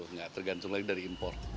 nggak tergantung lagi dari impor